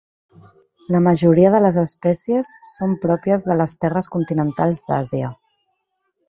La majoria de les espècies són pròpies de les terres continentals d'Àsia.